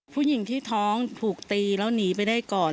ผู้หญิงที่ท้องถูกตีแล้วหนีไปได้ก่อน